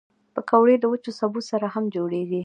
پکورې له وچو سبو سره هم جوړېږي